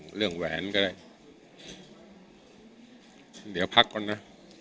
เรื่องแหวนก็ได้เดี๋ยวพักก่อนนะ